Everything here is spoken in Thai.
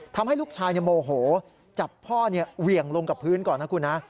ทำให้ลูกชายโมโหจับพ่อเหวี่ยงลงกับพื้นก่อนนะคุณนะ